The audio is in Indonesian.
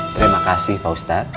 terima kasih pak ustadz